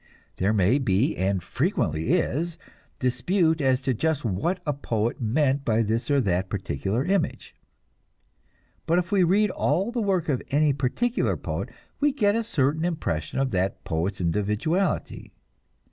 There may be, and frequently is, dispute as to just what a poet meant by this or that particular image, but if we read all the work of any particular poet, we get a certain impression of that poet's individuality.